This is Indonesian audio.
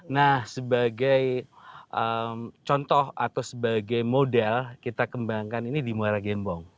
nah sebagai contoh atau sebagai model kita kembangkan ini di muara gembong